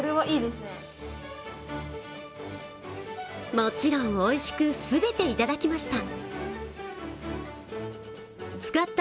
もちろん、おいしく全て頂きました。